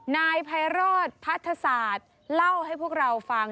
นายไพโรธพัฒศาสตร์เล่าให้พวกเราฟัง